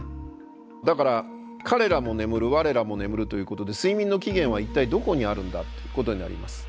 だから彼らも眠る我らも眠るということで睡眠の起源は一体どこにあるんだということになります。